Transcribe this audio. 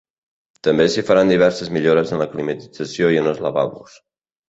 També s’hi faran diverses millores en la climatització i en els lavabos.